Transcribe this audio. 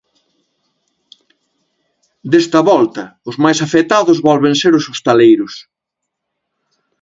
Desta volta, os máis afectados volven ser os hostaleiros.